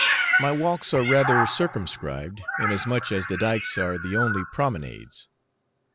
My walks are rather circumscribed, inasmuch as the dykes are the only promenades.